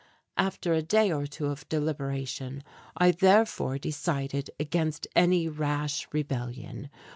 After a day or two of deliberation I therefore decided against any rash rebellion.